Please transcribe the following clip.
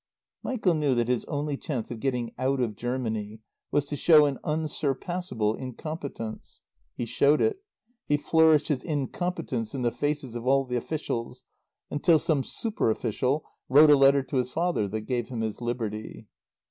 Michael knew that his only chance of getting out of Germany was to show an unsurpassable incompetence. He showed it. He flourished his incompetence in the faces of all the officials, until some superofficial wrote a letter to his father that gave him his liberty.